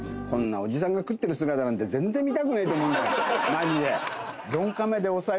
マジで。